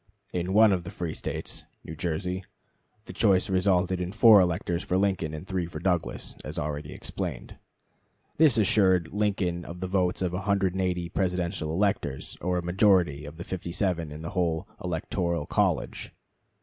In one of the free States (New Jersey) the choice resulted in 4 electors for Lincoln and 3 for Douglas, as already explained. This assured Lincoln of the votes of 180 Presidential electors, or a majority of 57 in the whole electoral college.